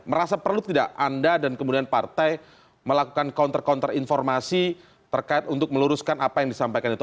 merasa perlu tidak anda dan kemudian partai melakukan counter counter informasi terkait untuk meluruskan apa yang disampaikan itu